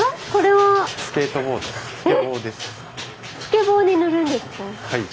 はい。